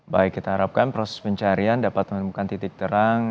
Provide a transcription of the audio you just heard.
baik kita harapkan proses pencarian dapat menemukan titik terang